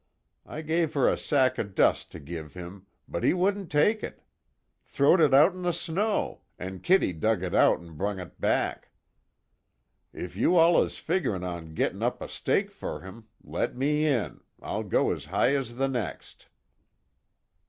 I give her a sack of dust to give him, but he wouldn't take it throw'd it out in the snow, an' Kitty dug it out an' brung it back. If you all is figgerin' on gettin' up a stake fer him, let me in I'll go as high as the next."